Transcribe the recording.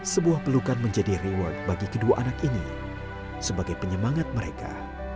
sebuah pelukan menjadi reward bagi kedua anak ini sebagai penyemangat mereka